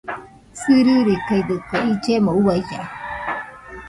Sɨririkaidɨkue illemo uailla.